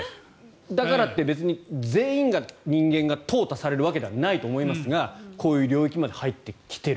だからって別に全員の人間がとう汰されるわけではないと思いますがこういう領域まで入ってきている